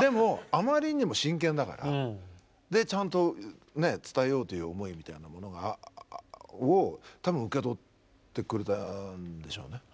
でもあまりにも真剣だからちゃんと伝えようという思いみたいなものを多分受け取ってくれたんでしょうね。